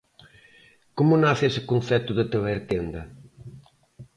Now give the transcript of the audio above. Como nace ese concepto de Tabertenda?